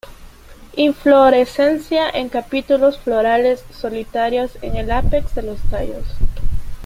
Inflorescencia en capítulos florales solitarios en el apex de los tallos.